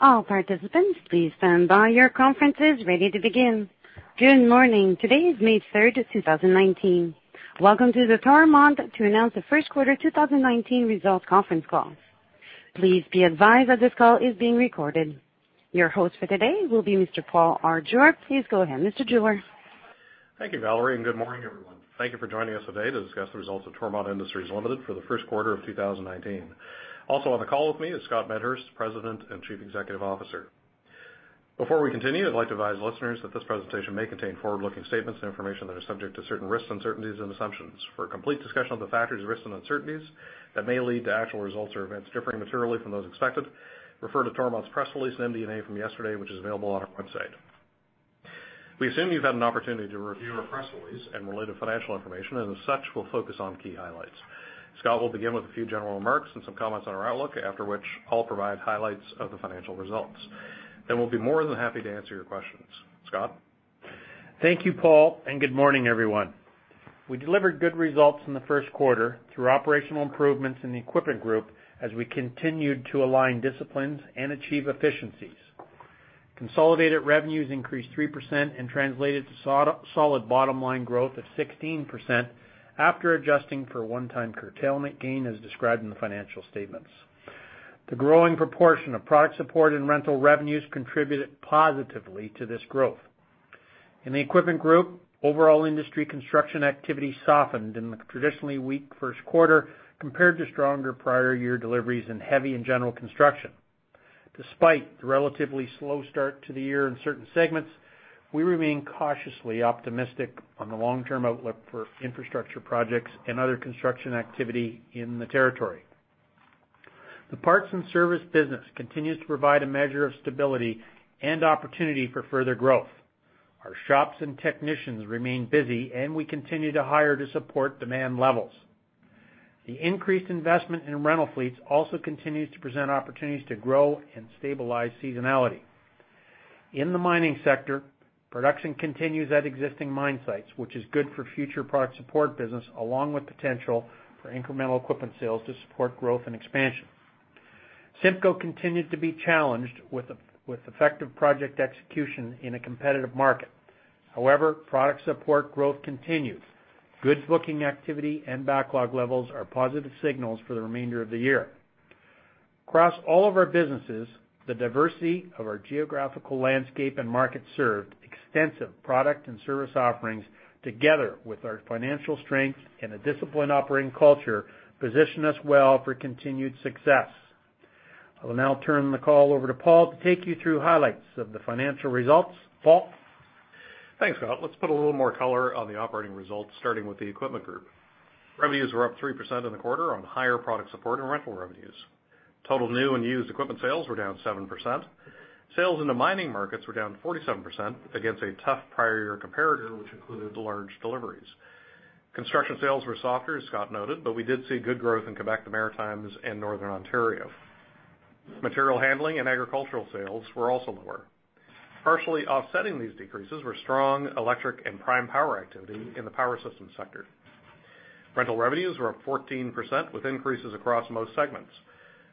All participants, please stand by. Your conference is ready to begin. Good morning. Today is May 3rd, 2019. Welcome to the Toromont to announce the first quarter 2019 results conference call. Please be advised that this call is being recorded. Your host for today will be Mr. Paul R. Jewer. Please go ahead, Mr. Jewer. Thank you, Valerie. Good morning, everyone. Thank you for joining us today to discuss the results of Toromont Industries Ltd. for the first quarter of 2019. Also on the call with me is Scott Medhurst, President and Chief Executive Officer. Before we continue, I'd like to advise listeners that this presentation may contain forward-looking statements and information that are subject to certain risks, uncertainties and assumptions. For a complete discussion of the factors, risks and uncertainties that may lead to actual results or events differing materially from those expected, refer to Toromont's press release and MD&A from yesterday, which is available on our website. We assume you've had an opportunity to review our press release and related financial information, as such, we'll focus on key highlights. Scott will begin with a few general remarks and some comments on our outlook, after which I'll provide highlights of the financial results. We'll be more than happy to answer your questions. Scott? Thank you, Paul. Good morning, everyone. We delivered good results in the first quarter through operational improvements in the Equipment Group as we continued to align disciplines and achieve efficiencies. Consolidated revenues increased 3% and translated to solid bottom-line growth of 16% after adjusting for a one-time curtailment gain, as described in the financial statements. The growing proportion of Product Support and rental revenues contributed positively to this growth. In the Equipment Group, overall industry construction activity softened in the traditionally weak first quarter compared to stronger prior year deliveries in heavy and general construction. Despite the relatively slow start to the year in certain segments, we remain cautiously optimistic on the long-term outlook for infrastructure projects and other construction activity in the territory. The parts and service business continues to provide a measure of stability and opportunity for further growth. Our shops and technicians remain busy, we continue to hire to support demand levels. The increased investment in rental fleets also continues to present opportunities to grow and stabilize seasonality. In the mining sector, production continues at existing mine sites, which is good for future Product Support business along with potential for incremental equipment sales to support growth and expansion. CIMCO continued to be challenged with effective project execution in a competitive market. However, Product Support growth continues. Goods booking activity and backlog levels are positive signals for the remainder of the year. Across all of our businesses, the diversity of our geographical landscape and market served, extensive product and service offerings, together with our financial strength and a disciplined operating culture, position us well for continued success. I will now turn the call over to Paul to take you through highlights of the financial results. Paul? Thanks, Scott. Let's put a little more color on the operating results, starting with the Equipment Group. Revenues were up 3% in the quarter on higher Product Support and rental revenues. Total new and used equipment sales were down 7%. Sales in the mining markets were down 47% against a tough prior year comparator, which included large deliveries. Construction sales were softer, as Scott noted, but we did see good growth in Quebec, the Maritimes, and Northern Ontario. Material handling and agricultural sales were also lower. Partially offsetting these decreases were strong electric and prime power activity in the power systems sector. Rental revenues were up 14%, with increases across most segments.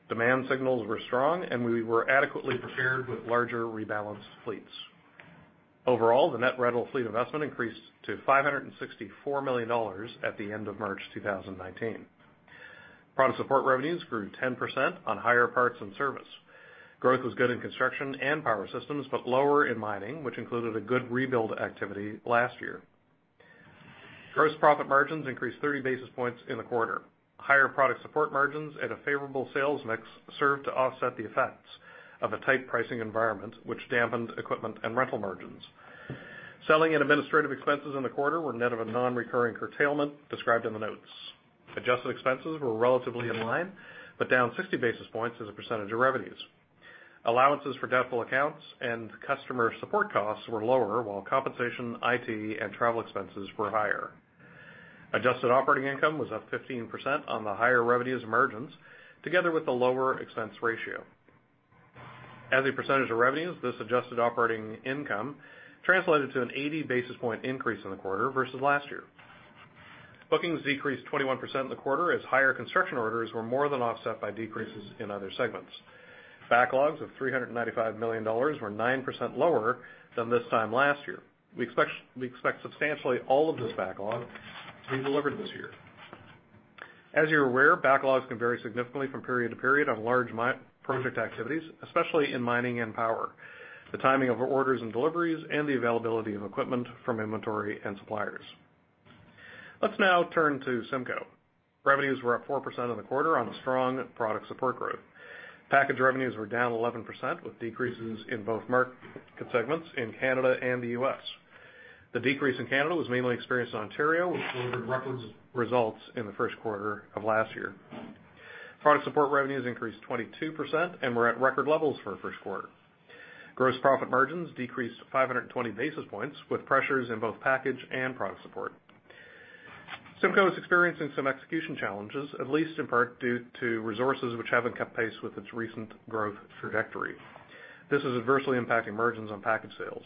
Demand signals were strong, we were adequately prepared with larger rebalanced fleets. Overall, the net rental fleet investment increased to 564 million dollars at the end of March 2019. Product Support revenues grew 10% on higher parts and service. Growth was good in construction and power systems, lower in mining, which included a good rebuild activity last year. Gross profit margins increased 30 basis points in the quarter. Higher Product Support margins and a favorable sales mix served to offset the effects of a tight pricing environment, which dampened equipment and rental margins. Selling and administrative expenses in the quarter were net of a non-recurring curtailment described in the notes. Adjusted expenses were relatively in line, down 60 basis points as a percentage of revenues. Allowances for doubtful accounts and customer support costs were lower, while compensation, IT, and travel expenses were higher. Adjusted operating income was up 15% on the higher revenues and margins, together with a lower expense ratio. As a percentage of revenues, this adjusted operating income translated to an 80 basis point increase in the quarter versus last year. Bookings decreased 21% in the quarter as higher construction orders were more than offset by decreases in other segments. Backlogs of 395 million dollars were 9% lower than this time last year. We expect substantially all of this backlog to be delivered this year. As you're aware, backlogs can vary significantly from period to period on large project activities, especially in mining and power, the timing of orders and deliveries, and the availability of equipment from inventory and suppliers. Let's now turn to CIMCO. Revenues were up 4% in the quarter on strong Product Support growth. Package revenues were down 11%, with decreases in both market segments in Canada and the U.S. The decrease in Canada was mainly experienced in Ontario, which delivered record results in the first quarter of last year. Product support revenues increased 22% and were at record levels for a first quarter. Gross profit margins decreased 520 basis points with pressures in both package and product support. CIMCO is experiencing some execution challenges, at least in part due to resources which haven't kept pace with its recent growth trajectory. This is adversely impacting margins on package sales.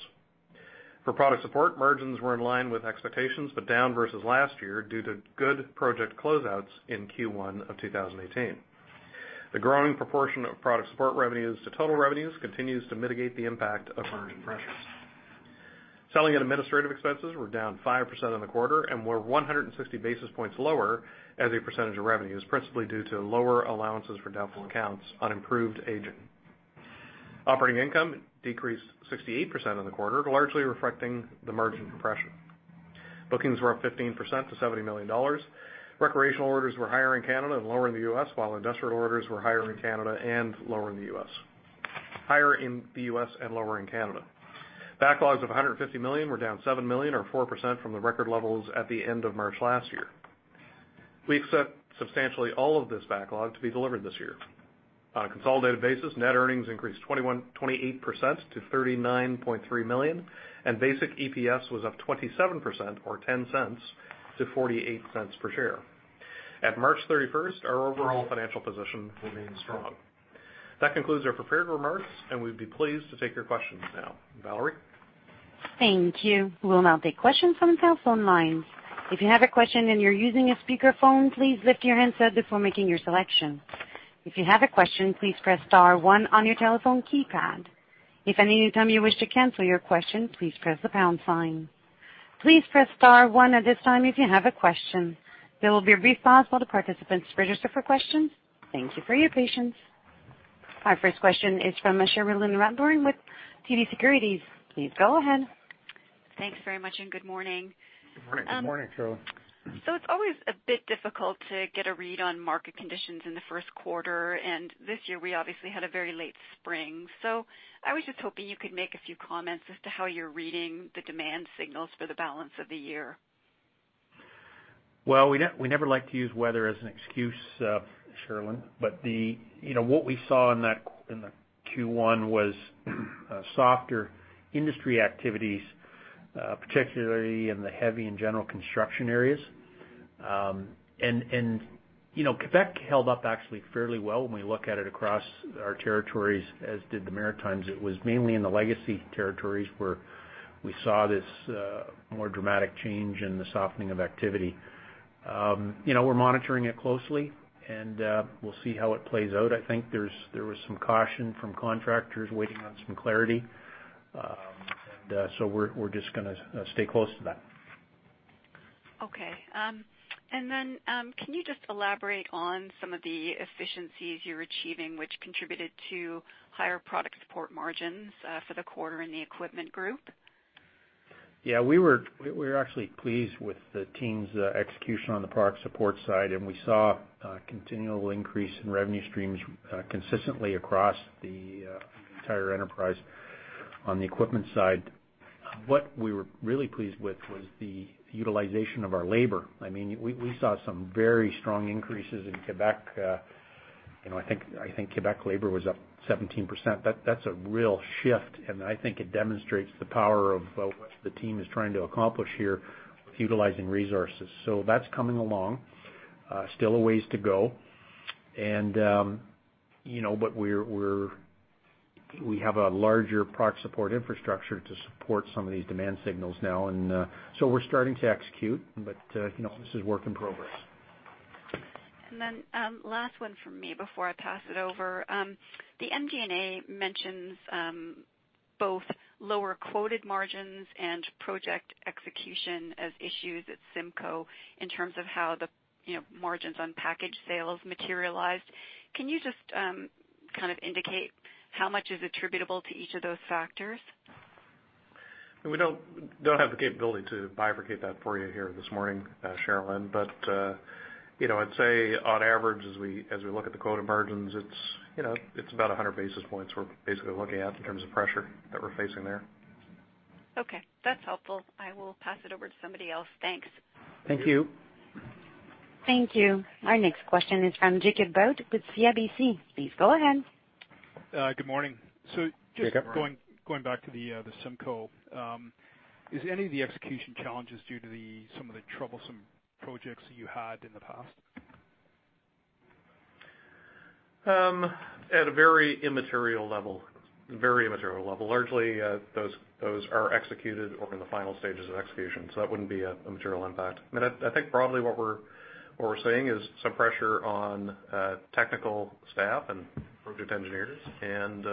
For product support, margins were in line with expectations, but down versus last year due to good project closeouts in Q1 of 2018. The growing proportion of product support revenues to total revenues continues to mitigate the impact of margin pressures. Selling and administrative expenses were down 5% in the quarter and were 160 basis points lower as a percentage of revenue, is principally due to lower allowances for doubtful accounts on improved aging. Operating income decreased 68% in the quarter, largely reflecting the margin compression. Bookings were up 15% to 70 million dollars. Recreational orders were higher in Canada and lower in the U.S., while industrial orders were higher in the U.S. and lower in Canada. Backlogs of 150 million were down 7 million or 4% from the record levels at the end of March last year. We accept substantially all of this backlog to be delivered this year. On a consolidated basis, net earnings increased 28% to 39.3 million, and basic EPS was up 27% or 0.10 to 0.48 per share. At March 31st, our overall financial position remains strong. That concludes our prepared remarks. We'd be pleased to take your questions now. Valerie? Thank you. We'll now take questions from the telephone lines. If you have a question and you're using a speakerphone, please lift your handset before making your selection. If you have a question, please press star one on your telephone keypad. If at any time you wish to cancel your question, please press the pound sign. Please press star one at this time if you have a question. There will be a brief pause while the participants register for questions. Thank you for your patience. Our first question is from Cherilyn Radbourne with TD Securities. Please go ahead. Thanks very much. Good morning. Good morning, Cherilyn. It's always a bit difficult to get a read on market conditions in the first quarter, and this year we obviously had a very late spring. I was just hoping you could make a few comments as to how you're reading the demand signals for the balance of the year. Well, we never like to use weather as an excuse, Cherilyn. What we saw in the Q1 was softer industry activities, particularly in the heavy and general construction areas. Quebec held up actually fairly well when we look at it across our territories, as did the Maritimes. It was mainly in the legacy territories where we saw this more dramatic change in the softening of activity. We're monitoring it closely, and we'll see how it plays out. I think there was some caution from contractors waiting on some clarity. We're just going to stay close to that. Okay. Can you just elaborate on some of the efficiencies you're achieving which contributed to higher Product Support margins for the quarter in the Equipment Group? Yeah, we're actually pleased with the team's execution on the Product Support side, we saw a continual increase in revenue streams consistently across the entire enterprise on the equipment side. What we were really pleased with was the utilization of our labor. We saw some very strong increases in Quebec. I think Quebec labor was up 17%. That's a real shift, and I think it demonstrates the power of what the team is trying to accomplish here with utilizing resources. That's coming along. Still a ways to go. We have a larger Product Support infrastructure to support some of these demand signals now. We're starting to execute, but this is work in progress. Last one from me before I pass it over. The MD&A mentions both lower quoted margins and project execution as issues at CIMCO in terms of how the margins on package sales materialized. Can you just kind of indicate how much is attributable to each of those factors? We don't have the capability to bifurcate that for you here this morning, Cherilyn. I'd say on average, as we look at the quoted margins, it's about 100 basis points we're basically looking at in terms of pressure that we're facing there. Okay. That's helpful. I will pass it over to somebody else. Thanks. Thank you. Thank you. Our next question is from Jacob Bout with CIBC. Please go ahead. Good morning. Jacob. Just going back to the CIMCO. Is any of the execution challenges due to some of the troublesome projects you had in the past? At a very immaterial level. Very immaterial level. Largely, those are executed or in the final stages of execution, so that wouldn't be a material impact. I think broadly what we're seeing is some pressure on technical staff and project engineers, and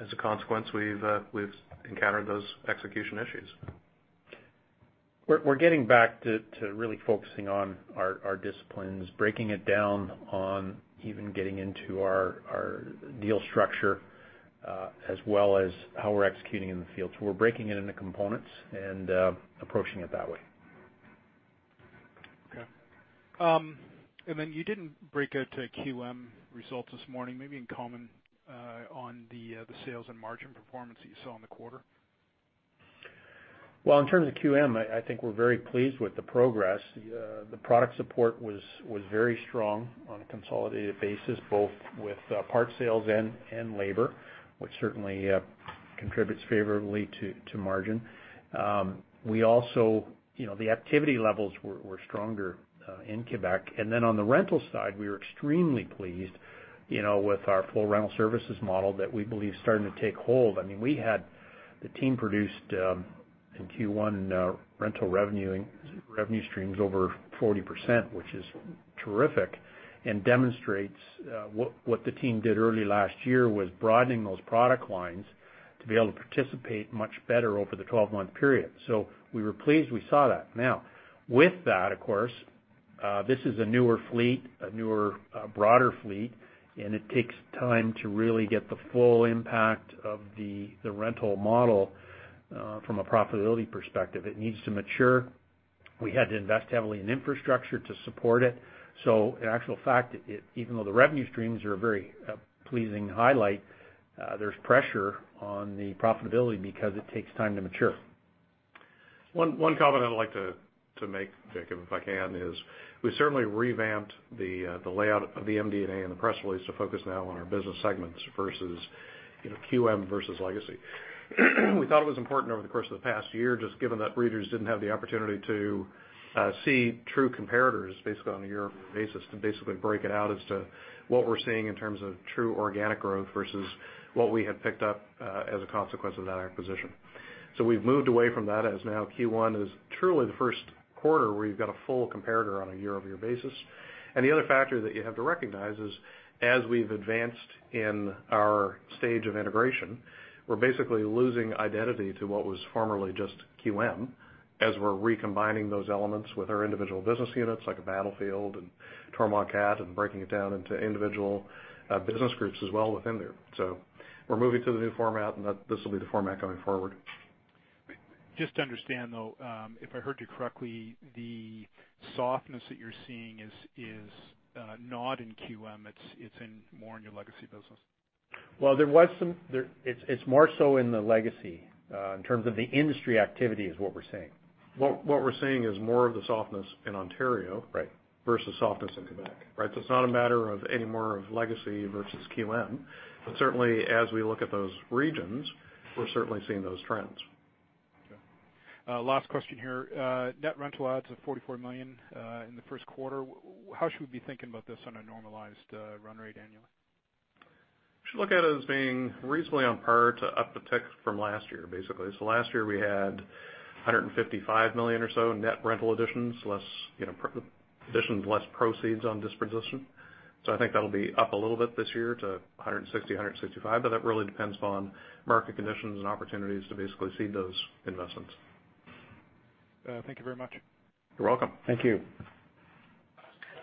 as a consequence, we've encountered those execution issues. We're getting back to really focusing on our disciplines, breaking it down on even getting into our deal structure, as well as how we're executing in the fields. We're breaking it into components and approaching it that way. Okay. You didn't break out the QM results this morning. Maybe comment on the sales and margin performance that you saw in the quarter. Well, in terms of QM, I think we're very pleased with the progress. The Product Support was very strong on a consolidated basis, both with parts sales and labor, which certainly contributes favorably to margin. The activity levels were stronger in Quebec. On the rental side, we were extremely pleased with our full rental services model that we believe is starting to take hold. The team produced in Q1, rental revenue streams over 40%, which is terrific and demonstrates what the team did early last year was broadening those product lines to be able to participate much better over the 12-month period. We were pleased we saw that. Now, with that, of course, this is a newer fleet, a broader fleet, and it takes time to really get the full impact of the rental model from a profitability perspective. It needs to mature. We had to invest heavily in infrastructure to support it. In actual fact, even though the revenue streams are a very pleasing highlight, there's pressure on the profitability because it takes time to mature. One comment I'd like to make, Jacob, if I can, is we certainly revamped the layout of the MD&A and the press release to focus now on our business segments versus QM versus legacy. We thought it was important over the course of the past year, just given that readers didn't have the opportunity to see true comparators basically on a year-over-year basis, to basically break it out as to what we're seeing in terms of true organic growth versus what we had picked up as a consequence of that acquisition. We've moved away from that as now Q1 is truly the first quarter where you've got a full comparator on a year-over-year basis. The other factor that you have to recognize is, as we've advanced in our stage of integration, we're basically losing identity to what was formerly just QM, as we're recombining those elements with our individual business units like Battlefield and Toromont Cat, and breaking it down into individual business groups as well within there. We're moving to the new format, and this will be the format going forward. Just to understand, though, if I heard you correctly, the softness that you're seeing is not in QM, it's more in your legacy business. Well, it's more so in the legacy in terms of the industry activity, is what we're saying. What we're seeing is more of the softness in Ontario- Right versus softness in Quebec. It's not a matter of any more of legacy versus QM, but certainly as we look at those regions, we're certainly seeing those trends. Okay. Last question here. Net rental adds of 44 million in the first quarter. How should we be thinking about this on a normalized run rate annually? You should look at it as being reasonably on par to up a tick from last year, basically. Last year, we had 155 million or so in net rental additions, less proceeds on disposition. I think that'll be up a little bit this year to 160 million, 165 million, but that really depends upon market conditions and opportunities to basically cede those investments. Thank you very much. You're welcome. Thank you.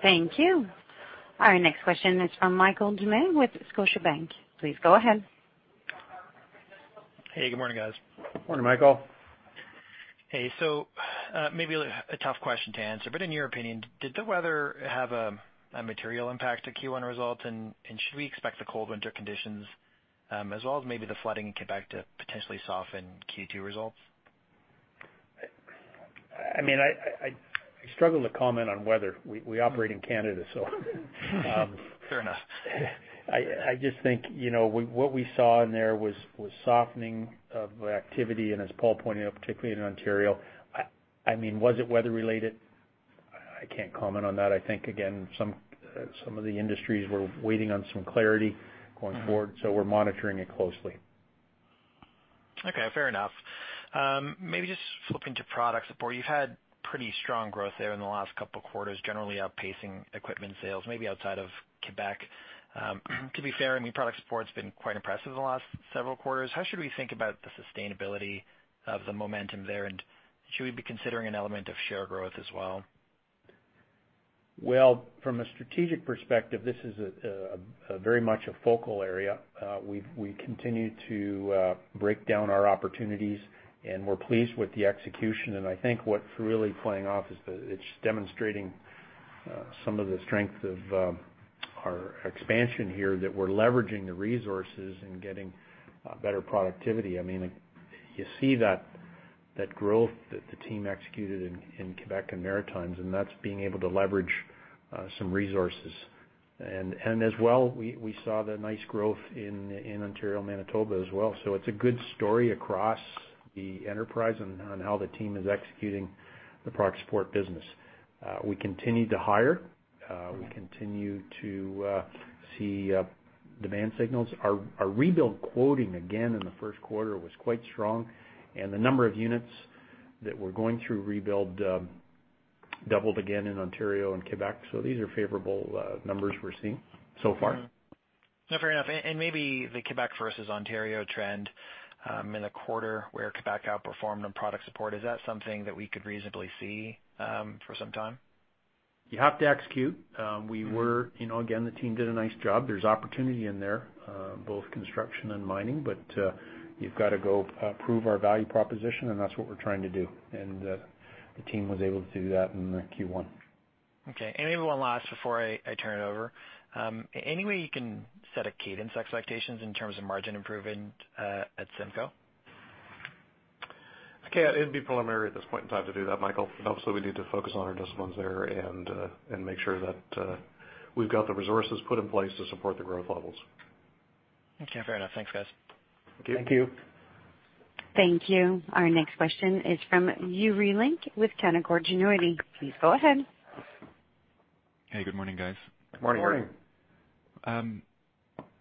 Thank you. Our next question is from Michael Doumet with Scotiabank. Please go ahead. Hey, good morning, guys. Morning, Michael. Hey. Maybe a tough question to answer, but in your opinion, did the weather have a material impact to Q1 results? Should we expect the cold winter conditions as well as maybe the flooding in Quebec to potentially soften Q2 results? I struggle to comment on weather. We operate in Canada. Fair enough. I just think what we saw in there was softening of activity, and as Paul pointed out, particularly in Ontario. Was it weather related? I can't comment on that. I think, again, some of the industries were waiting on some clarity going forward. We're monitoring it closely. Okay, fair enough. Maybe just flipping to Product Support. You've had pretty strong growth there in the last couple of quarters, generally outpacing equipment sales, maybe outside of Quebec. To be fair, Product Support's been quite impressive the last several quarters. How should we think about the sustainability of the momentum there, and should we be considering an element of share growth as well? Well, from a strategic perspective, this is very much a focal area. We continue to break down our opportunities. We're pleased with the execution. I think what's really playing off is it's demonstrating some of the strength of our expansion here, that we're leveraging the resources and getting better productivity. You see that growth that the team executed in Quebec and Maritimes. That's being able to leverage some resources. As well, we saw the nice growth in Ontario and Manitoba as well. It's a good story across the enterprise on how the team is executing the Product Support business. We continue to hire. We continue to see demand signals. Our rebuild quoting again in the first quarter was quite strong. The number of units that were going through rebuild doubled again in Ontario and Quebec. These are favorable numbers we're seeing so far. No, fair enough. Maybe the Quebec versus Ontario trend in a quarter where Quebec outperformed on Product Support, is that something that we could reasonably see for some time? You have to execute. Again, the team did a nice job. There's opportunity in there, both construction and mining. You've got to go prove our value proposition, and that's what we're trying to do. The team was able to do that in the Q1. Okay. Maybe one last before I turn it over. Any way you can set a cadence expectations in terms of margin improvement at CIMCO? It'd be preliminary at this point in time to do that, Michael. Obviously, we need to focus on our disciplines there and make sure that we've got the resources put in place to support the growth levels. Okay, fair enough. Thanks, guys. Thank you. Thank you. Thank you. Our next question is from Yuri Lynk with Canaccord Genuity. Please go ahead. Hey, good morning, guys. Good morning. Good morning.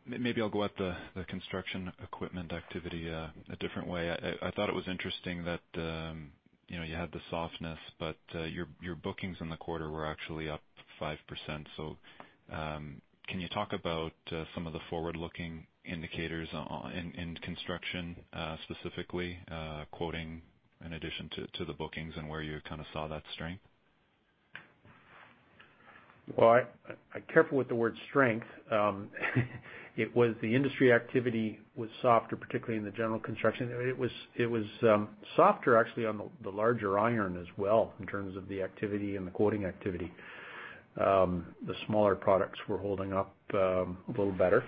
Maybe I'll go at the construction equipment activity a different way. I thought it was interesting that you had the softness, your bookings in the quarter were actually up 5%. Can you talk about some of the forward-looking indicators in construction, specifically quoting in addition to the bookings, and where you kind of saw that strength? Well, careful with the word strength. The industry activity was softer, particularly in the general construction area. It was softer, actually, on the larger iron as well, in terms of the activity and the quoting activity. The smaller products were holding up a little better.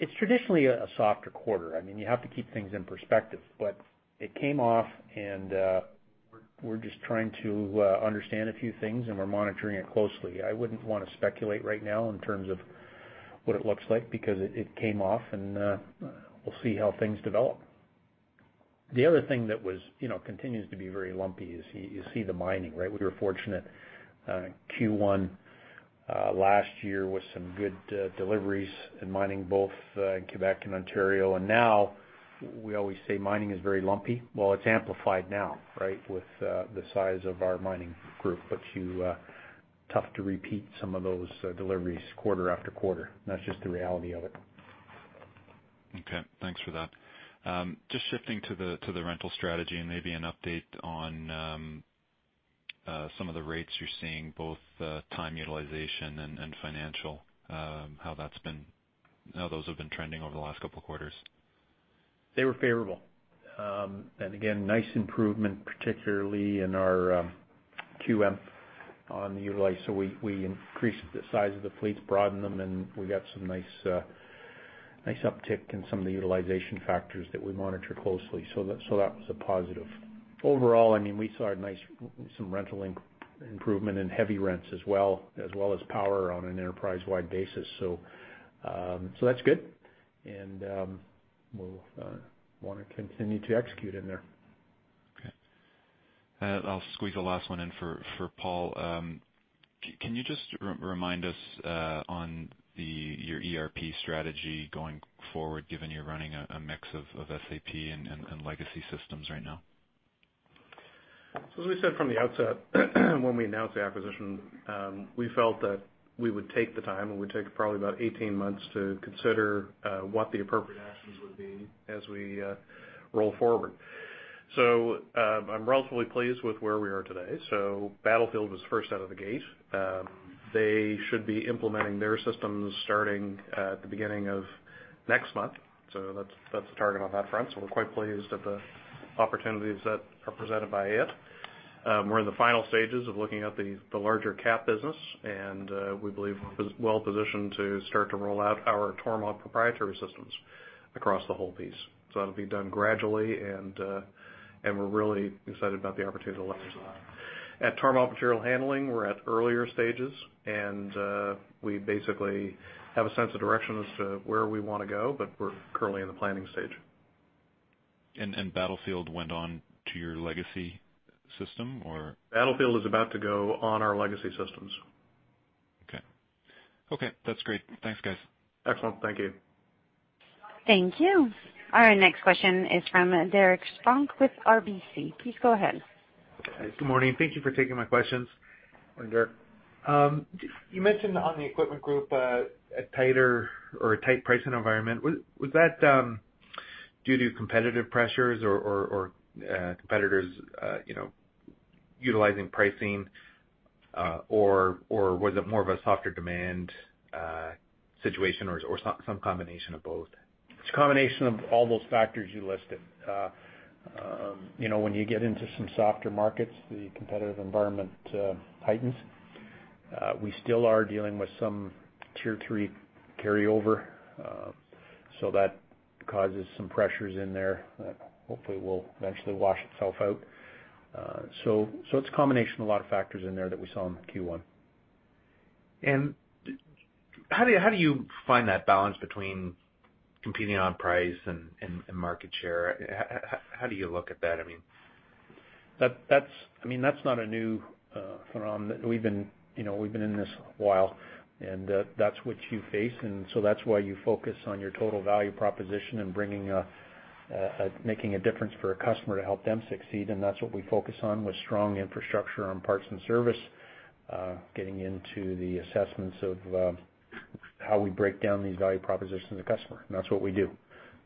It's traditionally a softer quarter. You have to keep things in perspective, it came off, we're just trying to understand a few things, we're monitoring it closely. I wouldn't want to speculate right now in terms of what it looks like, because it came off, we'll see how things develop. The other thing that continues to be very lumpy is you see the mining, right? We were fortunate in Q1 last year with some good deliveries in mining, both in Quebec and Ontario. Now we always say mining is very lumpy. Well, it's amplified now, with the size of our mining group, tough to repeat some of those deliveries quarter after quarter. That's just the reality of it. Okay, thanks for that. Just shifting to the rental strategy and maybe an update on some of the rates you're seeing, both time utilization and financial, how those have been trending over the last couple of quarters. They were favorable. Again, nice improvement, particularly in our QM on the utilize. We increased the size of the fleets, broadened them, and we got some nice uptick in some of the utilization factors that we monitor closely. That was a positive. Overall, we saw a nice rental improvement and heavy rents as well as power on an enterprise-wide basis. That's good, and we'll want to continue to execute in there. Okay. I'll squeeze the last one in for Paul. Can you just remind us on your ERP strategy going forward, given you're running a mix of SAP and legacy systems right now? As we said from the outset when we announced the acquisition, we felt that we would take the time, and we'd take probably about 18 months to consider what the appropriate actions would be as we roll forward. I'm relatively pleased with where we are today. Battlefield was first out of the gate. They should be implementing their systems starting at the beginning of next month. That's the target on that front. We're quite pleased at the opportunities that are presented by it. We're in the final stages of looking at the larger cap business, and we believe we're well positioned to start to roll out our Toromont proprietary systems across the whole piece. That'll be done gradually, and we're really excited about the opportunity to leverage that. At Toromont Material Handling, we're at earlier stages, and we basically have a sense of direction as to where we want to go, but we're currently in the planning stage. Battlefield went on to your legacy system, or? Battlefield is about to go on our legacy systems. Okay. That's great. Thanks, guys. Excellent. Thank you. Thank you. Our next question is from Derek Spronck with RBC. Please go ahead. Good morning. Thank you for taking my questions. Morning, Derek. You mentioned on the Equipment Group a tighter or a tight pricing environment. Was that due to competitive pressures or competitors utilizing pricing? Was it more of a softer demand situation, or some combination of both? It's a combination of all those factors you listed. When you get into some softer markets, the competitive environment heightens. We still are dealing with some Tier 3 carryover, that causes some pressures in there that hopefully will eventually wash itself out. It's a combination of a lot of factors in there that we saw in Q1. How do you find that balance between competing on price and market share? How do you look at that? That's not a new phenomenon. We've been in this a while, that's what you face, that's why you focus on your total value proposition and making a difference for a customer to help them succeed, that's what we focus on with strong infrastructure on parts and service, getting into the assessments of how we break down these value propositions to customer, that's what we do.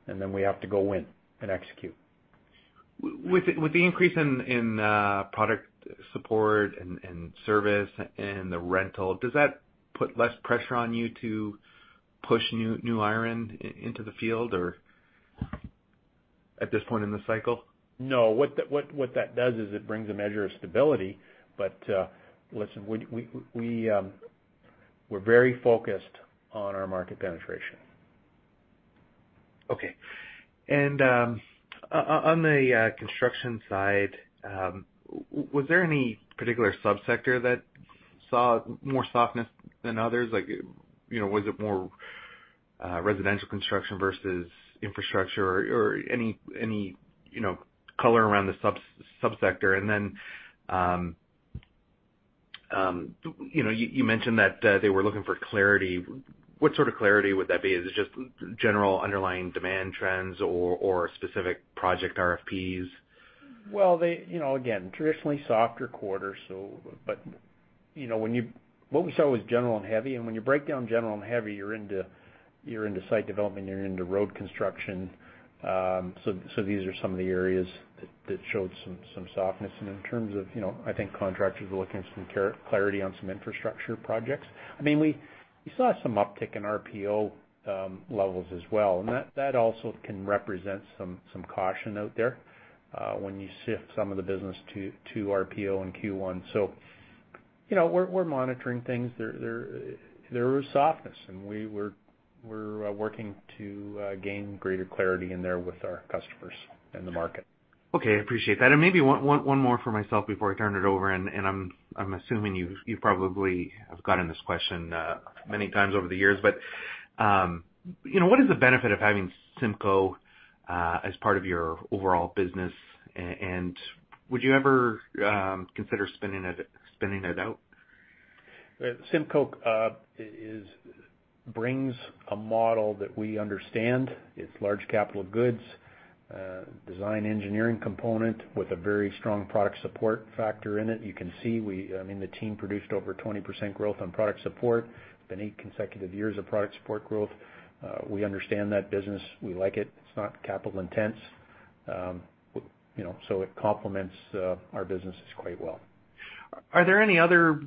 Then we have to go win and execute. With the increase in Product Support and service and the rental, does that put less pressure on you to push new iron into the field, or at this point in the cycle? No, what that does is it brings a measure of stability. Listen, we're very focused on our market penetration. Okay. On the construction side, was there any particular subsector that saw more softness than others? Was it more residential construction versus infrastructure or any color around the subsector? Then you mentioned that they were looking for clarity. What sort of clarity would that be? Is it just general underlying demand trends or specific project RFPs? Well, again, traditionally softer quarter. What we saw was general and heavy, and when you break down general and heavy, you're into site development, you're into road construction. These are some of the areas that showed some softness. In terms of, I think contractors are looking at some clarity on some infrastructure projects. We saw some uptick in RPO levels as well, and that also can represent some caution out there when you sift some of the business to RPO in Q1. We're monitoring things. There was softness, and we're working to gain greater clarity in there with our customers and the market. Okay. Appreciate that. Maybe one more for myself before I turn it over, I'm assuming you probably have gotten this question many times over the years, what is the benefit of having CIMCO as part of your overall business? Would you ever consider spinning it out? CIMCO brings a model that we understand. It's large capital goods, design engineering component with a very strong Product Support factor in it. You can see, the team produced over 20% growth on Product Support. Been eight consecutive years of Product Support growth. We understand that business. We like it. It's not capital intense. It complements our businesses quite well. Are there any other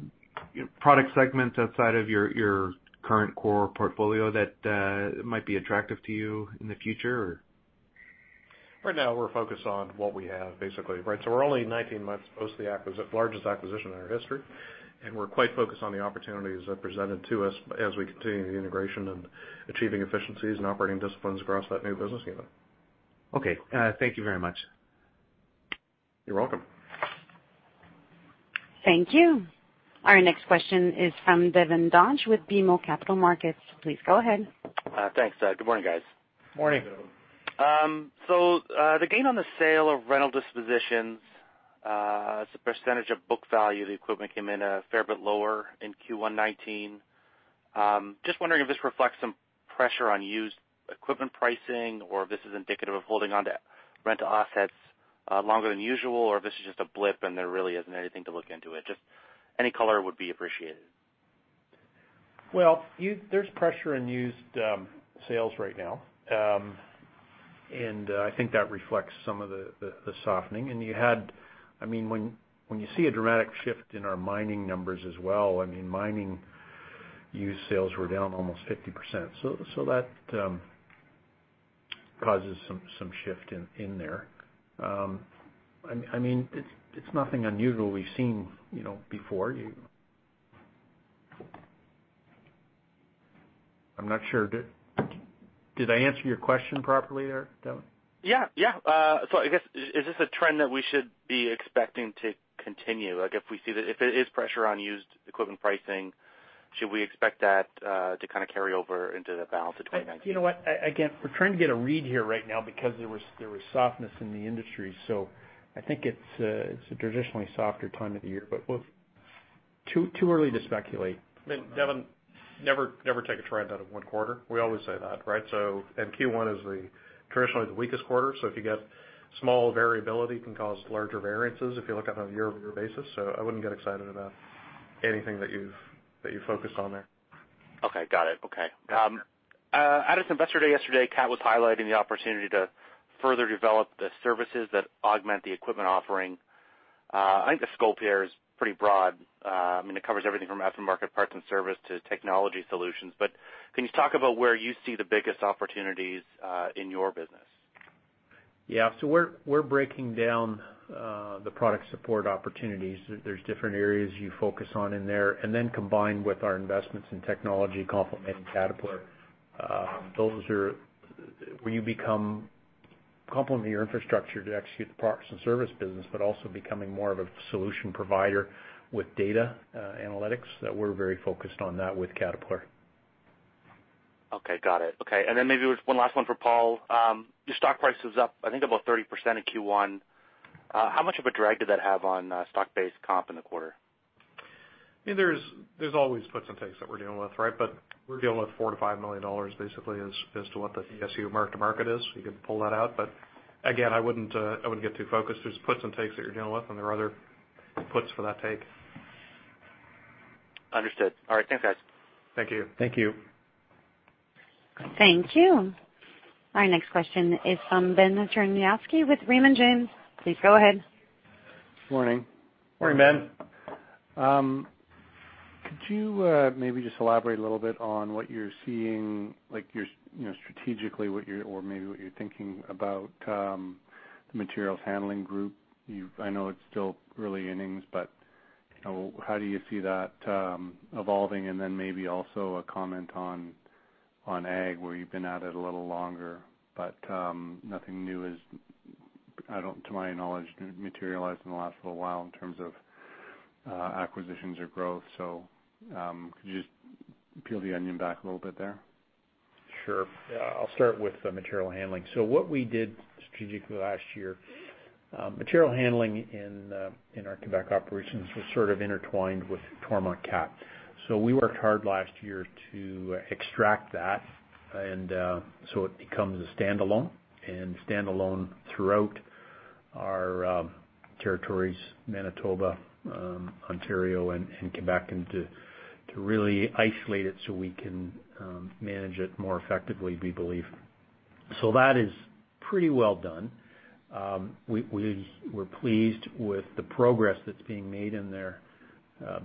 product segments outside of your current core portfolio that might be attractive to you in the future, or? Right now we're focused on what we have basically, right? We're only 19 months post the largest acquisition in our history, and we're quite focused on the opportunities presented to us as we continue the integration and achieving efficiencies and operating disciplines across that new business unit. Okay. Thank you very much. You're welcome. Thank you. Our next question is from Devin Dodge with BMO Capital Markets. Please go ahead. Thanks. Good morning, guys. Morning. Good morning. The gain on the sale of rental dispositions, as a percentage of book value of the equipment came in a fair bit lower in Q1 2019. Just wondering if this reflects some pressure on used equipment pricing or if this is indicative of holding onto rental assets longer than usual, or if this is just a blip and there really isn't anything to look into it. Just any color would be appreciated. Well, there's pressure in used sales right now. I think that reflects some of the softening. When you see a dramatic shift in our mining numbers as well, mining used sales were down almost 50%. That causes some shift in there. It's nothing unusual we've seen before. I'm not sure. Did I answer your question properly there, Devin? Yeah. I guess, is this a trend that we should be expecting to continue? If it is pressure on used equipment pricing, should we expect that to carry over into the balance of 2019? You know what? Again, we're trying to get a read here right now because there was softness in the industry. I think it's a traditionally softer time of the year, too early to speculate. Devin, never take a trend out of one quarter. We always say that, right? Q1 is traditionally the weakest quarter, so if you get small variability, it can cause larger variances if you look at it on a year-over-year basis. I wouldn't get excited about anything that you've focused on there. Okay. Got it. Okay. At its Investor Day yesterday, Caterpillar was highlighting the opportunity to further develop the services that augment the equipment offering. I think the scope here is pretty broad. It covers everything from aftermarket parts and service to technology solutions. Can you talk about where you see the biggest opportunities in your business? Yeah. We're breaking down the Product Support opportunities. There's different areas you focus on in there. Combined with our investments in technology complementing Caterpillar, where you complement your infrastructure to execute the products and service business, but also becoming more of a solution provider with data analytics that we're very focused on that with Caterpillar. Okay. Got it. Okay. Maybe one last one for Paul. Your stock price is up, I think, about 30% in Q1. How much of a drag did that have on stock-based comp in the quarter? There's always puts and takes that we're dealing with, right? We're dealing with 4 million to 5 million dollars basically as to what the ESU mark-to-market is. We can pull that out. Again, I wouldn't get too focused. There's puts and takes that you're dealing with, and there are other puts for that take. Understood. All right. Thanks, guys. Thank you. Thank you. Thank you. Our next question is from Ben Cherniavsky with Raymond James. Please go ahead. Good morning. Morning, Ben. Could you maybe just elaborate a little bit on what you're seeing strategically or maybe what you're thinking about the materials handling group? I know it's still early innings, but how do you see that evolving? Maybe also a comment on ag, where you've been at it a little longer, but nothing new has, to my knowledge, materialized in the last little while in terms of acquisitions or growth. Could you just peel the onion back a little bit there? Sure. Yeah, I'll start with the material handling. What we did strategically last year, material handling in our Quebec operations was sort of intertwined with Toromont Cat. We worked hard last year to extract that. So it becomes a standalone and standalone throughout our territories, Manitoba, Ontario, and Quebec, and to really isolate it so we can manage it more effectively, we believe. That is pretty well done. We're pleased with the progress that's being made in there,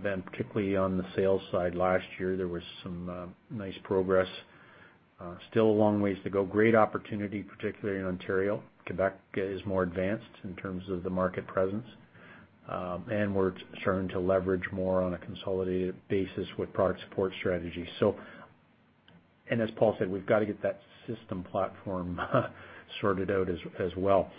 Ben, particularly on the sales side last year, there was some nice progress. Still a long ways to go. Great opportunity, particularly in Ontario. Quebec is more advanced in terms of the market presence. We're starting to leverage more on a consolidated basis with Product Support strategy. As Paul said, we've got to get that system platform sorted out as well.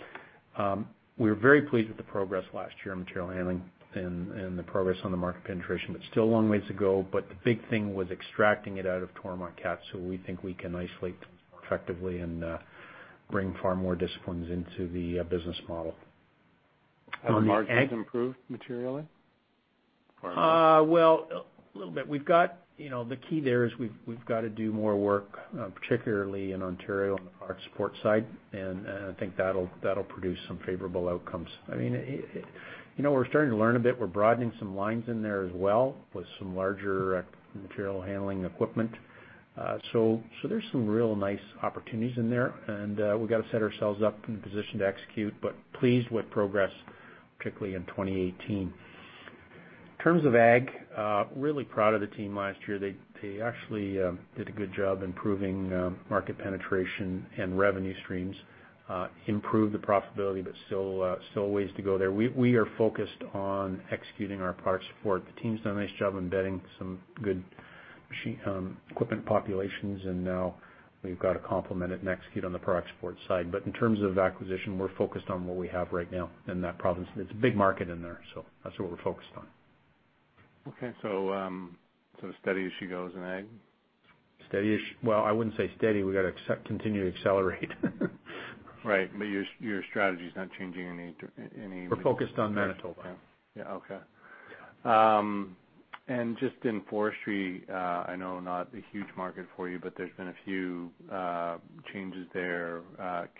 We're very pleased with the progress last year on material handling and the progress on the market penetration, but still a long ways to go, but the big thing was extracting it out of Toromont Cat, so we think we can isolate those more effectively and bring far more disciplines into the business model. Have the margins improved materially for you? Well, a little bit. The key there is we've got to do more work, particularly in Ontario on the Product Support side, and I think that'll produce some favorable outcomes. We're starting to learn a bit. We're broadening some lines in there as well with some larger material handling equipment. There's some real nice opportunities in there, and we've got to set ourselves up in the position to execute, but pleased with progress, particularly in 2018. In terms of ag, really proud of the team last year. They actually did a good job improving market penetration and revenue streams, improved the profitability, but still a ways to go there. We are focused on executing our Product Support. The team's done a nice job embedding some good equipment populations, and now we've got to complement it and execute on the Product Support side. In terms of acquisition, we're focused on what we have right now in that province. It's a big market in there, so that's what we're focused on. Okay. Steady as she goes in ag? Well, I wouldn't say steady. We've got to continue to accelerate. Right. Your strategy's not changing in any- We're focused on Manitoba. Yeah. Okay. Yeah. Just in forestry, I know not a huge market for you, but there's been a few changes there,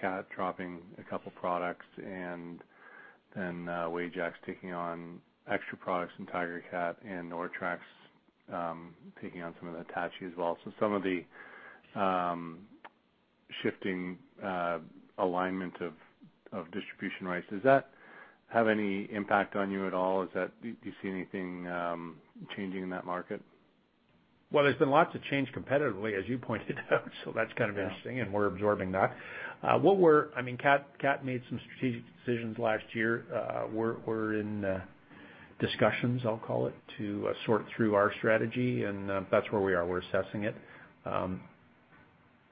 CAT dropping a couple products and then Wajax taking on extra products from Tigercat and Nortrax taking on some of the Hitachi as well. Some of the shifting alignment of distribution rights. Does that have any impact on you at all? Do you see anything changing in that market? There's been lots of change competitively, as you pointed out, that's kind of interesting, and we're absorbing that. CAT made some strategic decisions last year. We're in discussions, I'll call it, to sort through our strategy, and that's where we are. We're assessing it.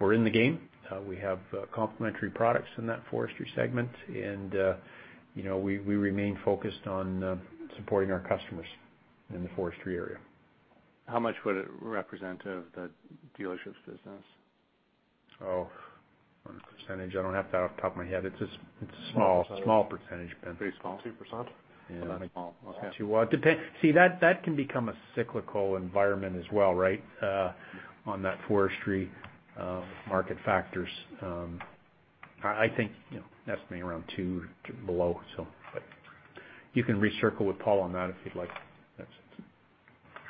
We're in the game. We have complementary products in that forestry segment, and we remain focused on supporting our customers in the forestry area. How much would it represent of the dealerships business? On a percentage, I don't have that off the top of my head. It's a small percentage, Ben. Base, 2%? Yeah. Small. Okay. That can become a cyclical environment as well, right? On that forestry market factors. I think, guesstimating around two, below. You can recircle with Paul on that if you'd like.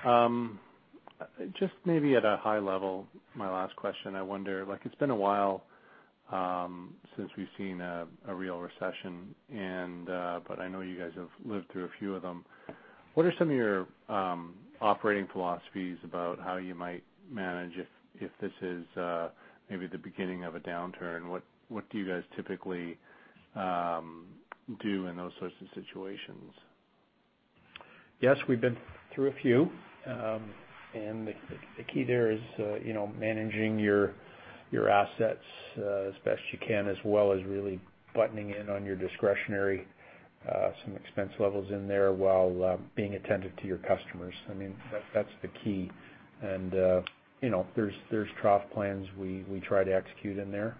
That's it. Just maybe at a high level, my last question, I wonder, it's been a while since we've seen a real recession. I know you guys have lived through a few of them. What are some of your operating philosophies about how you might manage if this is maybe the beginning of a downturn? What do you guys typically do in those sorts of situations? Yes, we've been through a few. The key there is managing your assets as best you can, as well as really buttoning in on your discretionary, some expense levels in there while being attentive to your customers. That's the key. There's trough plans we try to execute in there,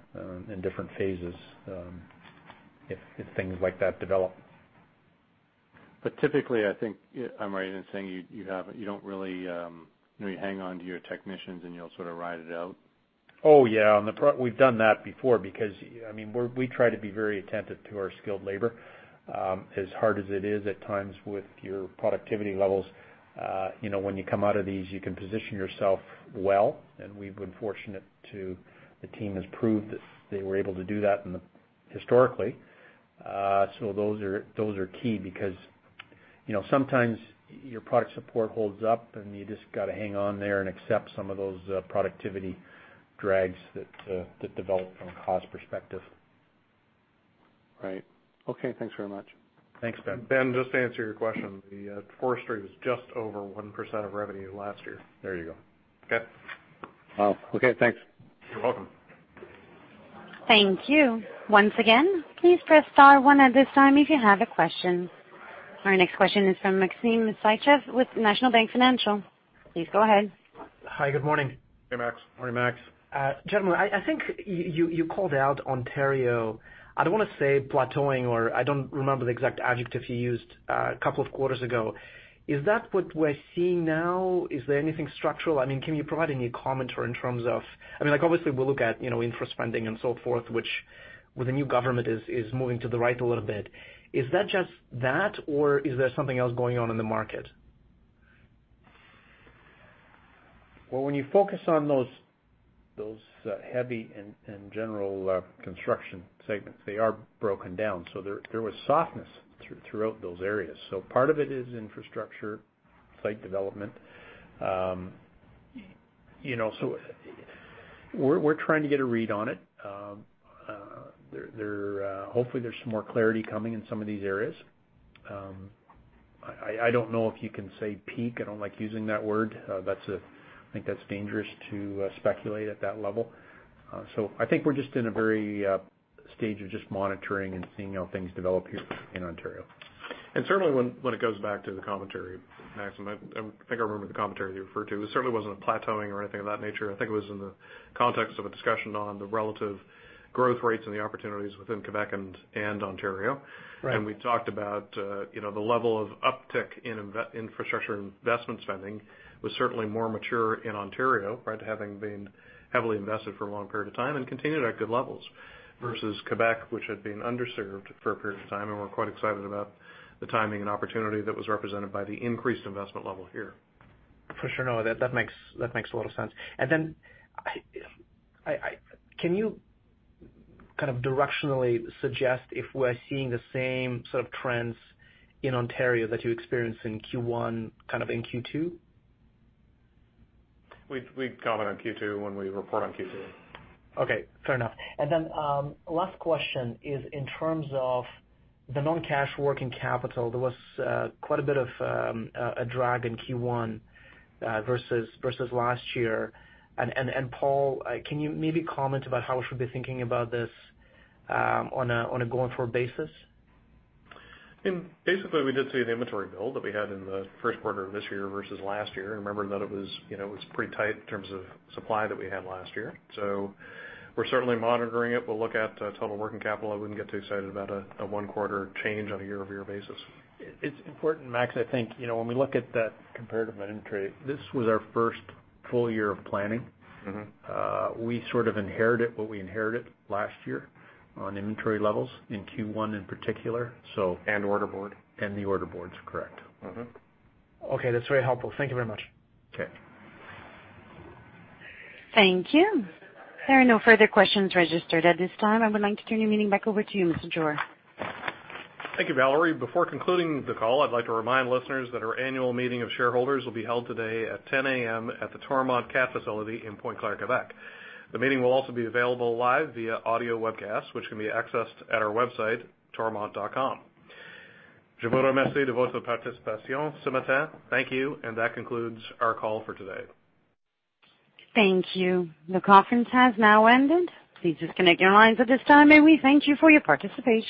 in different phases, if things like that develop. I think I'm right in saying you hang on to your technicians, and you'll sort of ride it out? Oh, yeah. We've done that before because we try to be very attentive to our skilled labor. As hard as it is at times with your productivity levels, when you come out of these, you can position yourself well, and we've been fortunate to the team has proved that they were able to do that historically. Those are key because sometimes your Product Support holds up, and you just got to hang on there and accept some of those productivity drags that develop from a cost perspective. Right. Okay. Thanks very much. Thanks, Ben. Ben, just to answer your question, the forestry was just over 1% of revenue last year. There you go. Okay. Wow. Okay, thanks. You're welcome. Thank you. Once again, please press star one at this time if you have a question. Our next question is from Maxim Sytchev with National Bank Financial. Please go ahead. Hi, good morning. Hey, Max. Morning, Max. Gentlemen, I think you called out Ontario, I don't want to say plateauing, or I don't remember the exact adjective you used, a couple of quarters ago. Is that what we're seeing now? Is there anything structural? Can you provide any commentary in terms of Obviously, we'll look at infra-spending and so forth, which with the new government is moving to the right a little bit. Is that just that, or is there something else going on in the market? When you focus on those heavy and general construction segments, they are broken down. There was softness throughout those areas. Part of it is infrastructure, site development. We're trying to get a read on it. Hopefully there's some more clarity coming in some of these areas. I don't know if you can say peak. I don't like using that word. I think that's dangerous to speculate at that level. I think we're just in a very stage of just monitoring and seeing how things develop here in Ontario. Certainly when it goes back to the commentary, Maxim, I think I remember the commentary you referred to. It certainly wasn't a plateauing or anything of that nature. I think it was in the context of a discussion on the relative growth rates and the opportunities within Quebec and Ontario. Right. We talked about the level of uptick in infrastructure investment spending was certainly more mature in Ontario, right? Having been heavily invested for a long period of time and continued at good levels, versus Quebec, which had been underserved for a period of time, and we're quite excited about the timing and opportunity that was represented by the increased investment level here. For sure. No, that makes a lot of sense. Can you directionally suggest if we're seeing the same sort of trends in Ontario that you experienced in Q1 kind of in Q2? We'd comment on Q2 when we report on Q2. Okay, fair enough. Last question is in terms of the non-cash working capital, there was quite a bit of a drag in Q1 versus last year. Paul, can you maybe comment about how we should be thinking about this on a going-forward basis? Basically, we did see an inventory build that we had in the first quarter of this year versus last year. Remember that it was pretty tight in terms of supply that we had last year. We're certainly monitoring it. We'll look at total working capital. I wouldn't get too excited about a one-quarter change on a year-over-year basis. It's important, Max, I think, when we look at that comparative inventory, this was our first full year of planning. We sort of inherited what we inherited last year on inventory levels in Q1 in particular. Order board. The order boards, correct. Okay, that's very helpful. Thank you very much. Okay. Thank you. There are no further questions registered at this time. I would like to turn your meeting back over to you, Mr. Jewer. Thank you, Valerie. Before concluding the call, I'd like to remind listeners that our annual meeting of shareholders will be held today at 10:00 A.M. at the Toromont Caterpillar facility in Pointe-Claire, Quebec. The meeting will also be available live via audio webcast, which can be accessed at our website, toromont.com. Thank you. That concludes our call for today. Thank you. The conference has now ended. Please disconnect your lines at this time, and we thank you for your participation.